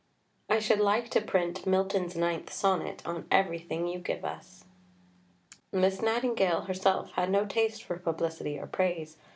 I should like to print Milton's IXth Sonnet on everything you give us." Miss Nightingale herself had no taste for publicity or praise.